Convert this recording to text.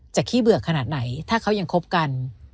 ขี้เบื่อขนาดไหนถ้าเขายังคบกัน